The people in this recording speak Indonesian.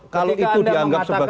kalau itu dianggap sebagai